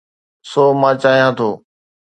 سو، مان چاهيان ٿو